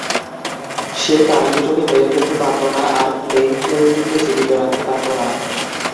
সে কার্লিটোকে মেরে ফেলতে পারত না আর ক্লেইনফেল্ডকে জীবিত রাখতে পারত না।